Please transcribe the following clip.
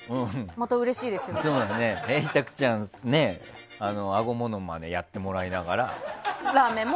たくちゃんさんがあごものまねやってもらいながら。